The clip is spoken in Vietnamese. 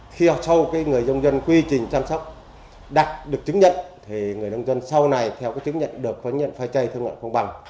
khi sau cái người nông dân quy trình chăm sóc đặt được chứng nhận thì người nông dân sau này theo cái chứng nhận được phai chay thương mại công bằng